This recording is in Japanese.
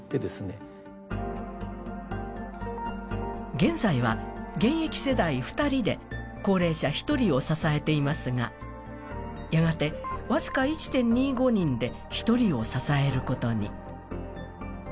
現在は現役世代２人で高齢者１人を支えていますが、やがて、僅か１．２５人で１人を支えることに。